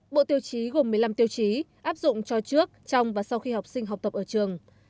bộ tiêu chí gồm một mươi năm tiêu chí áp dụng cho trước trong và sau khi học sinh học tập ở trường